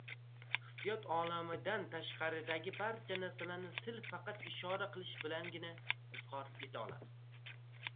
Hissiyot olamidan tashqaridagi barcha narsalarni til faqat ishora qilish bilangina izhor eta oladi